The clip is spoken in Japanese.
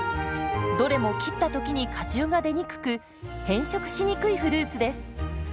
どれも切った時に果汁が出にくく変色しにくいフルーツです。